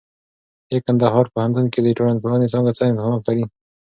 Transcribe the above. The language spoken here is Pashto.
اې کندهار پوهنتون کې د ټولنپوهنې څانګه څه امکانات لري؟